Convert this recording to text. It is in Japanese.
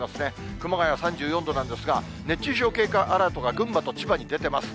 熊谷３４度なんですが、熱中症警戒アラートが群馬と千葉に出てます。